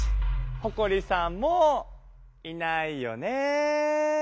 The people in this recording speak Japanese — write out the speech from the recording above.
ほこりさんもういないよね。